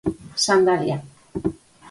Sandalia.